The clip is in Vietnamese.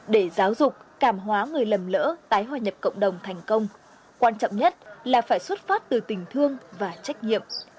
để giáo dục cảm hóa người lầm lỡ tái hòa nhập cộng đồng thành công quan trọng nhất là phải xuất phát từ tình thương và trách nhiệm